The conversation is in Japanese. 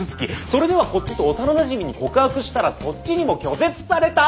それではこっちと幼なじみに告白したらそっちにも拒絶された。